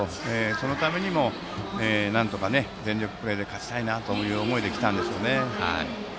そのためにもなんとか全力プレーで勝ちたいという思いで来たんでしょうね。